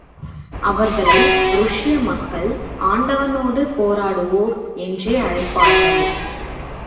அவர்களை ருஷ்ய மக்கள் ஆண்டவனோடு போராடுவோர் என்றே அழைப்பார்கள்.